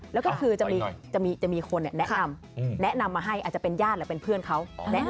แล้วก็คือจะมีคนแนะนำแนะนำมาให้อาจจะเป็นญาติหรือเป็นเพื่อนเขา